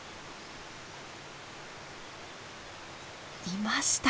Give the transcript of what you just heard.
いました。